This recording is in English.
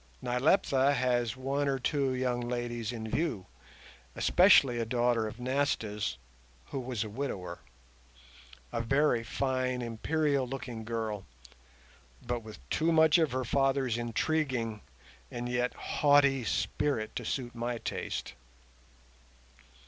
Nyleptha has one or two young ladies in view, especially a daughter of Nasta's (who was a widower), a very fine imperial looking girl, but with too much of her father's intriguing, and yet haughty, spirit to suit my taste.